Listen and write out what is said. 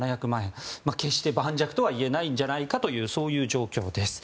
決して盤石とはいえないんじゃないかというそういう状況です。